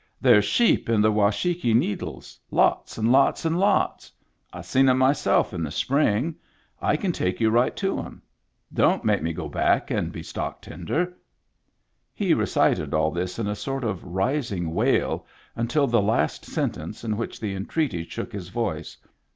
" There's sheep in the Washakie Needles. Lots and lots and lots. I seen 'em myself in the spring. I can take you right to 'em. Don't make me go back and be stock tender." He recited all this in a sort of rising wail until the last sentence, in which the entreaty shook his voice.